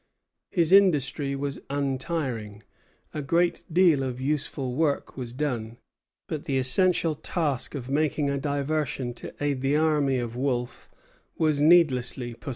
His industry was untiring; a great deal of useful work was done: but the essential task of making a diversion to aid the army of Wolfe was needlessly postponed.